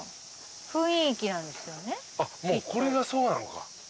もうこれがそうなのか。